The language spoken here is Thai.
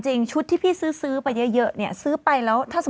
รุ้นให้ซื้อเสื้อผ้าไปเถอะ